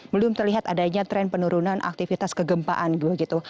belum terlihat adanya tren penurunan aktivitas kegempaan gitu